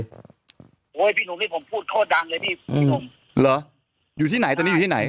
โอ้ยพี่หนูนี่ผมพูดโทษดังเลยพี่หรออยู่ที่ไหนตอนนี้อยู่ที่ไหน